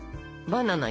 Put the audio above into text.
バナナ。